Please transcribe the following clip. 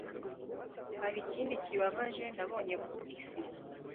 hari ikindi kibabaje nabonye ku isi